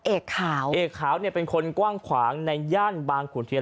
เอกขาวเอกขาวเนี่ยเป็นคนกว้างขวางในย่านบางขุนเทียน